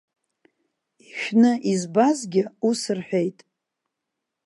Ишәны избазгьы ус рҳәеит.